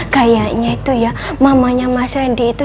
kayaknya itu ya mamanya mas randy itu